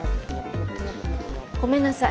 ごめんなさい。